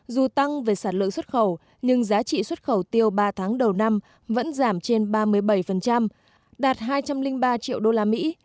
dù tăng về sản lượng xuất khẩu nhưng giá trị xuất khẩu tiêu ba tháng đầu năm vẫn giảm trên ba mươi bảy đạt hai trăm linh ba triệu đô la mỹ